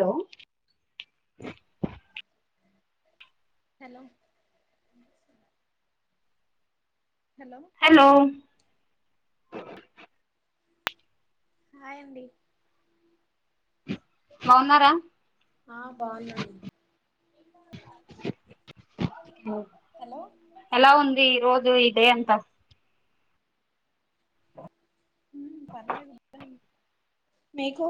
Hello hello hello hello హాయండి బాగున్నారా ఆ బాగున్నన్ హలో ఎలా ఉంది రోజు ఈ డే అంత పర్లేదు మీకు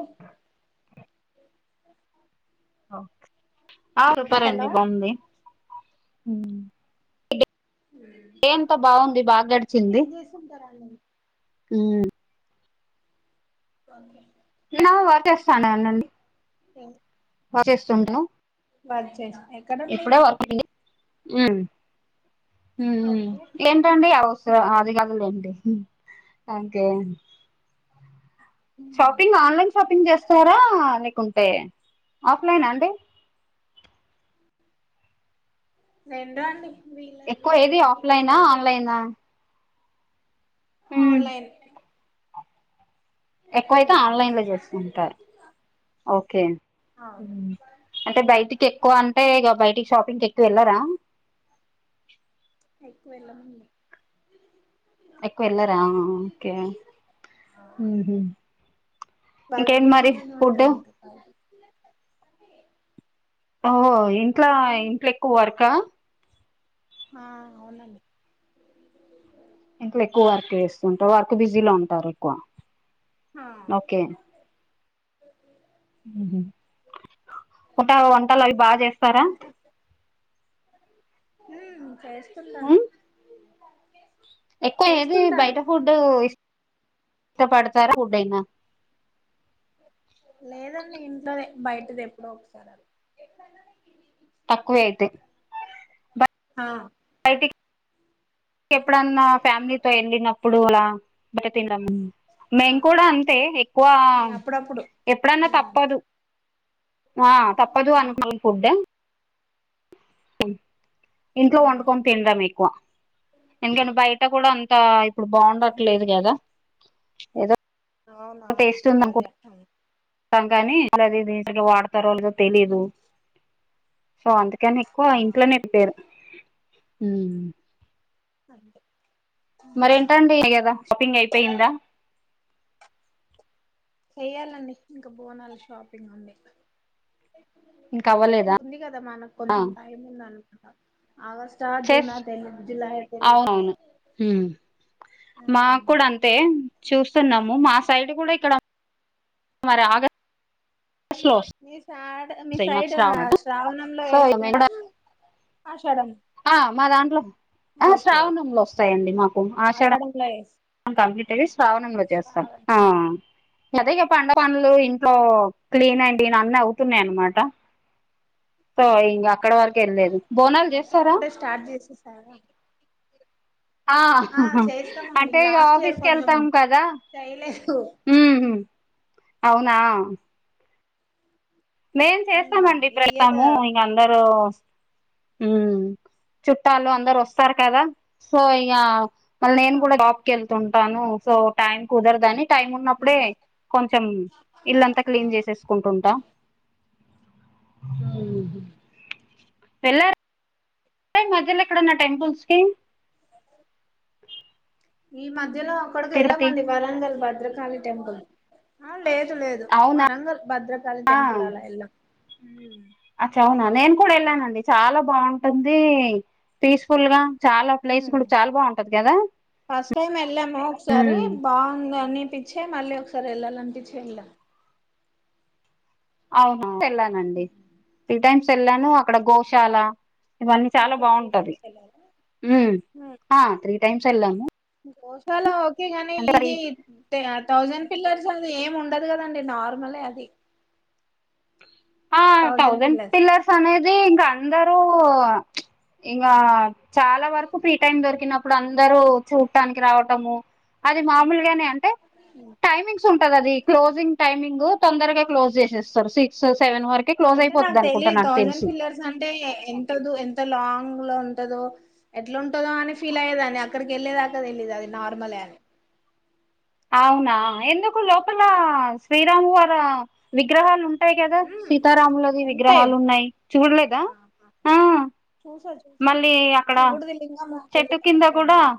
ఆ సూపర్ హలో అండి బాగుంది డే అంత బాగుంది బాగా గడిచింది కుంటర అండి ఊ ఆ నా వా చేేస్తానునండి అ వర్క్ చేస్తుంటాం వర్క్ చేస్తా ఎప్పుడ వర్కుటి ఓకే ఏంటండి అవసర అది కదులే ఏంటి ఓకే షాపింగ్ ఆన్లైన్ షాపింగ్ చేస్తారా లేకుంటే ఆఫ్లైన్ అండి రెండు అండి వీళ్ళ ఎక్కువ వీళ్ళని ఏది బట్టి ఆఫ్లైనా వీలైతే ఆన్లైనా ఆన్లైన్ ఎక్కువైతే ఆన్లైన్ లో చేస్తుంటారు [unintelligible] ఓకే అవును అంటే బయటికి ఎక్కువ అంటేక బయటికి షాపింగ్కి ఎక్కువ అ ఎలార ఎక్కు వెళ్ళమడి ఎక్కువ వెళ్ళారా ఓకే ఇంకా ఎంటి మారి ఫుడ్ అవునూ ఓ ఇంట్లా అదేం ఇంట్లో ఎక్కువ వర్క ఆ అవునండి ఇంట్లో ఎక్కువ వర్క్ చేస్తుంటారు వర్క్ బిజీలో ఉంటారు ఎక్కువ ఆ ఓకే ఉంట వంటలు అవి బాగా చేస్తారా హ చేస్తా ఎక్కువ ఏది చేస్తుంటాను బయట ఫడ్ ఇష్టపడతారా ఫుడ్ అయినా లేదండి ఇంట్లోనే బయటది ఎప్పుడో ఒకసారి అది తక్కువే అయితే హా బయటకు ఎప్పుడన్నా ఫ్యామిలీతో ఎళ్లినప్పుడు అలా బట తిన ఆ మేము కూడా అంతే ఎక్కువ అప్పుడప్పుడు ఎప్పుడన్నా ఉమ్ తప్పదు ఆ తప్పదు ఆ అనుకుంటే ఇంట్లో వండుకొని తినరాం ఎక్కువ ఎందుకని బయట కూడా అంత ఇప్పుడు బాగుండట్లేదు కదా ఏదో అవునా సారే ఇస్తం కానీ అది ఇది వాడతారో వాళదో తెలీదు సో అ కానీ ఎక్కువ ఆ ఇంట్లోనేటు తెరు అంటె మరేంటండి న్నయి కదా షాపింగ్ అయిపోయిందా చెయ్యాలండి ఇంకా బోనాలు షాపింగ్ ఉంది ఇంక అవ్వలేదా ఉంది కదా మనకు కొంచెం టైం ఉంది అనుకుంటాం ఆగస్ట్ గస్టు జూన్ చెస్ అ తెలి జులై అ తెలిదు అవునవును ఉ తే చూస్తున్నాము మా సైడ్ కూడా ఇక్కడ మరి ఆగస్ మీ సాడ్ మీ వస్తాయి మాకు సైడ్ శ్రావణ శ్రావణంలో సో మేము ఏస్తారా కూడా ఆషాడంమా ఆ మా దాంట్లో ఆ శ్రావణంలో వస్తాయండి మాకు ఆషాఢ ఫ్లయిస్ యితది శ్రావణంలో చేస్తాం ఆ అదే ఇగ పండు పనులు ఇంట్లో క్లీన్ అండి అన్ని అవుతున్నాయి అనమాట సో ఇంగా అక్కడ వరకు వెళ్లేదు బోనాలు ఓకే చేస్తారా అప్పుడే స్టార్ట్ చేసేసార ఆ అంటే ఇగ లాస్ట్ ఇయర్ ఆఫీస్కి కొంచెం ఏళ్తాం కదా చేయలేదు ఉమ్ అవునా మేం చేస్తామండి ఈ ఇయర్ ప్రెడతాము ఇంక అందరు చుట్టాలు అందరు వస్తారు కదా సో ఇగా మళ్ళ నేను కూడా అవును శాప్ కెళ్తుంటాను సో టైమ్ కుదరదని టైం ఉన్నప్పుడే కొంచెం ఇల్లంతా క్లీన్ చేసేసుకుంటుంటా వేల్లర్ స మధ్యలో ఎక్కడన్న టెంపుల్స్ కి ఈ మధ్యలో అక్కడికి తిరుపతి వెళ్ళామండి వరంగల్ భద్రకాళి టెంపుల్ ఆ లేదు లేదు అవునా వరంగల్ భద్రకాళి టెంపుల్ అలా వెళ్ళాం ఉ అచ్చవునా నేను కూడా వెళ్ళానండి చాలా బాగుంటుంది పీస్ఫుల్గా చాలా ప్లేస్ కూడా చాలా బావుంటది కదా ఫస్ట్ టైం వెళ్ళాము ఒకసారి ఉమ్, బాగుందనిపించే మళ్ళీ ఒకసారి వెళ్ళాలనిపించి వెళ్ళాము అవును వెళ్ళానండి త్రీ టైమ్స్ వెళ్ళాను అక్కడ గోశాల ఇవన్నీ చాలా ఓకే త్రీ బావుంటది టైమ్స్ వెళ్ళాము ఆ త్రీ టైమ్స్ వెళ్ళాము గోశాల ఒకేగని అంటే మరి ఇది థౌజండ్ పిల్లర్స్ అది ఏమి ఉండదు కదండి నార్మలే అది ఆ థౌజండ్ పిల్లర్స్ అనేది ఇంక అందరూ ఇంగా చాలా వరకు ఫ్రీ టైమ్ దొరికినప్ ప్పుడు అందరు చూడటానికి రావటము అది మామూలుగానే అంటే ఉ టైమింగ్స్ ఉంటది అది క్లోజింగ్ టైమింగ్ తొందరగా క్లోజ్ చేసేస్తారు సిక్స్ సెవెన్ వరకు క్లోజ్ అంటే నాకు అయిపోద్దనుకుంటా తెలియదు నాకు థౌజండ్ తెలిసి పిల్లర్స్ అంటే ఎంతదు ఎంత లాంగ్లో ఉంటదో ఎట్ల ఉంటందో అని ఫీల్ అయ్యేదాని అక్కడికి ఏళ్ళేదాకా తెలిదు అది నార్మలే అని అవునా ఎందుకు లోపల శ్రీరామువర విగ్రహాలు ఉం టయి కదా ఉమ్ సీతారాములది ఉంటాయి విగ్రహాలు ఉన్నాయి చూల్లెదా ఆ చూసా చూసా మళ్ళీ అక్కడ శివుడిది లింగముంటాది చెట్టు కింద ఒకటి కూడా పెద్దగా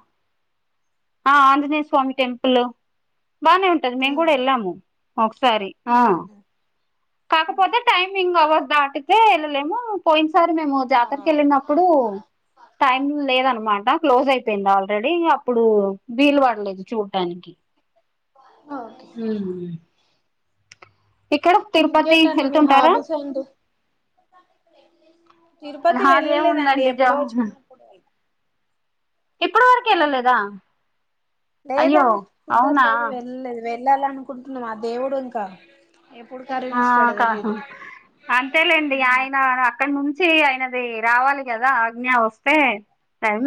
ఆ ఆంజనేయస్వామి టెంపుల్ బానే ఉం అది మేం కూడ ఉమ్ ఎల్లాము ఒకసారి ఆ ఉమ్ కాకపోతే టైమింగ్ అవర్ దాటితే ఏళ్ళలేము పోయిన సార్ మేము ఆ జాతరకి ఎళ్ళినప్పుడు టైం లేదనమాట క్లోజ్ అయిపోయింది ఆల్రెడీ అప్పుడు వీలు పల్లెదు చూడటనికి ఓకే ఉ ఇక్కడ తిరుపతి ఇంకేంటండి మీ వెళ్తుంటారా హాబీస్ ఏంటి తిరుపతి వెళ్ళలేదండి అదేముందండి జ ఎప్పుడో చిన్నప్పుడు ఇప్పుడు వరకు వెళ్ళలేదా అయ్యో లేదండి అవునా కుదరలేదు వెళ్ళలేదు వెళ్ళాలి అనుకుంటున్నాం ఆ దేవుడు ఇంకా ఎప్పుడు కాదు ఆ కాదు అంతేలేండి ఆయన అక్కడ నుంచి ఆయనది రావాలి కదా ఆజ్ఞ వస్తే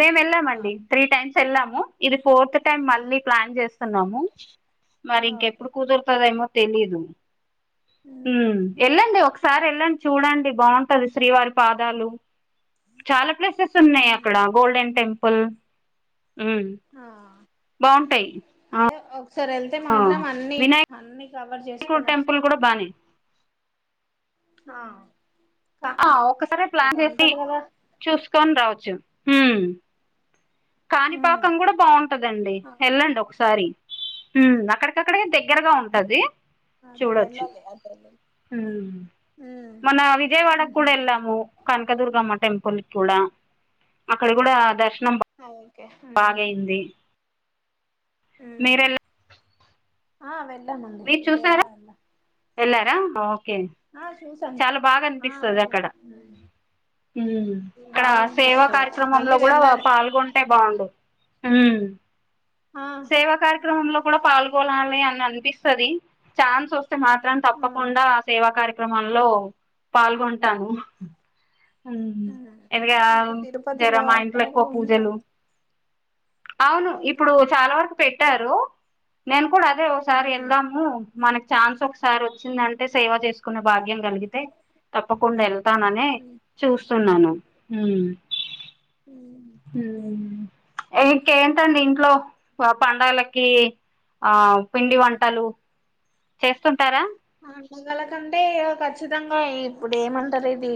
మేము వెళ్ళామండి త్రీ టైమ్స్ వెళ్ళాము ఇది ఫోర్త్ టైమ్ టైం ఆహా మళ్ళీ ప్లాన్ చేస్తున్నాము మరి ఓకే ఇంకెప్పుడు కుదురుతదేమో తెలీదు ఉ వెళ్ళండి ఒకసారి వెళ్ళండి చూడండి బాగుంటది శ్రీవారి పాదాలు చాలా ప్లేసెస్ ఉన్నాయి అక్కడ గోల్డెన్ టెంపుల్ ఉ ఆ బాగుంటాయి ఆ అదే ఒకసారి వెళ్తే మాత్రం అన్ని అన్ని కవర్ చేసి టెంపుల్ కూడా బానేయి ఆ కా ఆ ఒకసారి ప్లాన్ ఏదో చేసి అంటారు కదా చూసుకొని రావచ్చు కాణిపాకం కూడా బాగుంటదండి ఆ వెళ్ళండి ఒకసారి ఉమ్ అక్కడ అక్కడికి దగ్గరగా ఉంటది అదే చూడొచ్చు వెళ్ళాలి అదే వెళ్ళాలి. మొన్న విజయవాడ కూడా ఎ లము కనకదుర్గమ్మ టెంపుల్ కూడా అక్కడ కూడా దర్శనం ఆ ఒకే మీరేలరా ఆ వెళ్ళామండి విజయవాడ వెళ్ళాం ఎల్లరా ఓకే ఆ చూసాం చాలా ఆ వెళ్ళాం ఇక్కడ సేవా బాగనిపిస్తది మళ్ళీ కార్యక్రమంలో కూడా వెళ్ళాలి పాల్గొ టే బాగుండు ఉ ఆ సేవా కార్యక్రమంలో కూడా పాల్గొనాలి అని అనిపిస్తది ఛాన్స్ ఓస్తే మాత్రం ఆ తప్పకుండా సేవా కార్యక్రమాల్లో పాల్గొంటాము ఉమ్ అదిగ ఇటు జర తిరుపతిలో మా అక్కడ ఇంట్లో ఎక్కువ కూడా ఉంది పూజలు కదా అవును ఓకే ఇప్పుడు చాలా వరకు పెట్టారు నేను కూడా అదే ఒకసారి ఉమ్ వెళ్దాము మనకి ఛాన్స్ ఒకసారి వచ్చిందంటే సేవ చేసుకునే భాగ్యం కలిగింది తప్పకుండా వెళ్తాననే చూస్తున్నాను ఉ ఉమ్ ఇంకేంటండి ఇంట్లో ప పండగలకి ఆ పిండి వంటలు చేస్తుంటారా పండుగల కంటే ఖచ్చితంగా ఇప్పుడు ఏమంటారు ఇది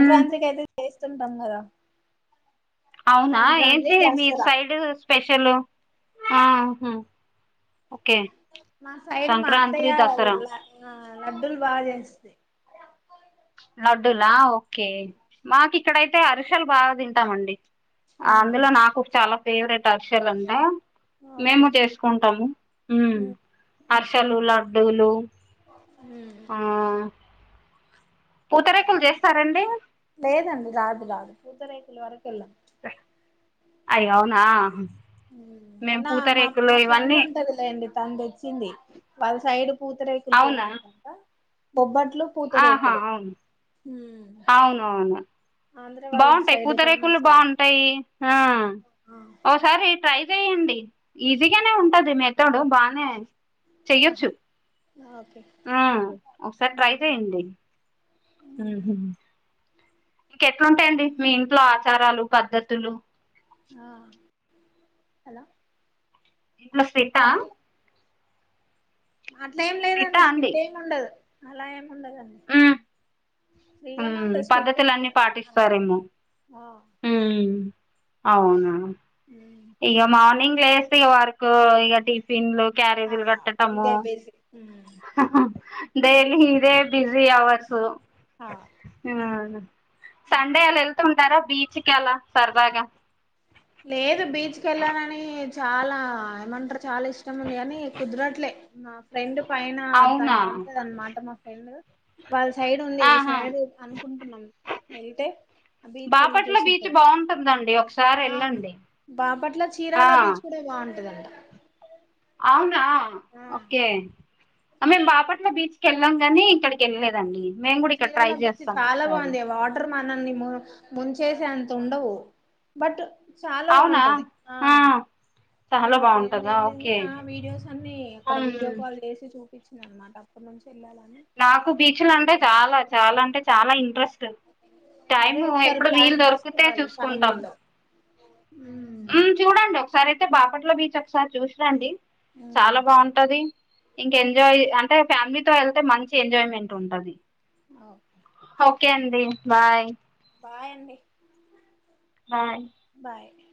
ఉమ్ అయితే చేస్తుంటాం కదా అవునా సంక్రాంతి ఏంటి మీ దసరా సైడ్ స్పెషల్ ఉహు ఓకే మా సైడ్ మా సంక్రాంతి అత్తయ్య దసరా ల ఆ లడ్డూలు బాగా చేస్తది లడ్డులా ఓకే మాకు ఇక్కడైతే అరిసలు బాగా తింటామండి ఉహు అందులో నాకు చాలా ఫేవరెట్ అర్షలు అంటె మేము ఓకే చేసుకుంటాము ఉమ్ అరిసలు లడ్డూలు హ్మ్ ఆ పూతరేకులు చేస్తారండి లేద అండి రాదు రాదు పూతారేకుల్ వరకు అయో అవునా మేము మొన్న మా పూతరేకులు మా ఫ్రెండ్ ఇవన్నీ ఉంటంది లేండి తను తెచ్చింది వాళ్ళ సైడ్ పూతరేకులు అవునా ఫేమస్ అంట బొబ్బట్లు ఆహా పూతరేకులు అవునా ఆంధ్ర వాళ్ళ బాగుంటాయి సైడ్ పూతరేకులు ఫేమస్ కదా బాగుంటాయి ఆ ఓసారి ట్రై చేయండి ఈజీగానే ఉంటది మెతడు బానే ఆహా చెయ్యొచ్చు ఓకే ఆ ఒకసారి ట్రై చేయండి హుమ్ హూ ఇంకెట్లుంటాయండి మీ ఇంట్లో ఆచారాలు పద్ధతులు ఆ హలో ఫుల్ స్ట్రిటా సారీ అట్లా ఏం స్ట్రిట్టా లేదండి అండి స్ట్రిట్టెమీ ఉండదు అలా ఏమి ఉండదండి ఉమ్ ఫ్రీగానే ఉమ్ ఉంటది స్ట్రిక్ట్ ఏం పద్ధతులన్నీ కాదు ఆ ఆ హుమ్ హు అవునా హుమ్ ఇగా మార్నింగ్ లేసి ఇగ వర్క్ ఇగా టీ పిన్లు క్యారేజీలు ఆ కట్టటము ఇదే బేసిక్ డైలీ ఇదే బిజీ అవర్సు ఆ సండే అలా వెళ్తుంటారా బీచ్కి అలా సరదాగా లేదు బీచ్ కెళ్ళాలని చాలా ఏమంటారు చాలా ఇష్టం ఇష్టం ఉంది కానీ కుదరట్లే మా ఫ్రెండ్ పైన అవునా దాని ఉంటద అన్నమాట మా ఫ్రెండ్ వాళ్ళ సైడ్ ఉంది ఈ ఆహా సైడ్ అనుకుంటున్నాం వెళ్తే ఆ బీచ్ వెళ్ళి బాపట్ల చూసేసి బీచ్ బాగుంటుందండి ఒకసారి అవును వెళ్ళండి బాపట్ల చీరాల ఆ బీచ్ కూడా బాగుంటదంట అవునా ఆ ఓకే మేం బాపట్ల బీచ్ కెళ్ళాం గానీ ఇక్కడికి వెళ్ళలేదండి మేము కూడా ఇక్కడ ట్రై చీరాలబీచ్ చేస్తాం చాలా ఒకసారి బాగుంది వాటర్ మనల్ని ము ముంచేసే అంత ఉండవు బట్ చాలా అవునా బాగుంటది ఆ మొన్న చాలా మా ఫ్రెండ్ బాగుంటదా వెళ్ళింది ఓకే ఆ వీడియోస్ అన్ని అక్కడ వీడియో కాల్ చేసి చూపించింది అనమాట అప్పటి నుంచి వెళ్ళాలని నాకు బీచులంటే చాలా చాలా అంటే చాలా ఇంట్రెస్ట్ అదే టైము ఒకసారి ఎప్పుడు వీలు ప్లాన్ దొరికితే చూసుకుంటాం హుమ్ ఉమ్, చూడండి ఒకసారి అయితే బాపట్ల బీచ్ ఒకసారి చూసిరండి చాలా బాగుంటది ఇంక ఎంజాయ్ అంటే ఫ్యామిలీతో వెళ్తే మంచి ఎంజాయ్మెంట్ ఉంటది ఓకే ఓకే అండి బాయ్ బాయ్ అండి బాయ్ బాయ్ అండి